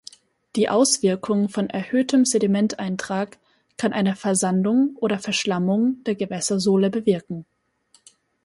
Die Auswirkung von erhöhtem Sedimenteintrag kann eine Versandung oder Verschlammung der Gewässersohle bewirken.